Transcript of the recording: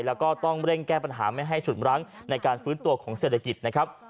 แล้วก็ต้องเร่งแก้ปัญหาไม่ให้ฉุดมรั้งในการฟื้นตัวของเศรษฐกิจนะครับ